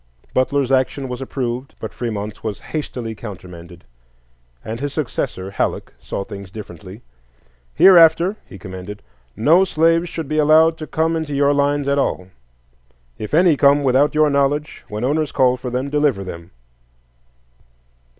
Butler's action was approved, but Fremont's was hastily countermanded, and his successor, Halleck, saw things differently. "Hereafter," he commanded, "no slaves should be allowed to come into your lines at all; if any come without your knowledge, when owners call for them deliver them."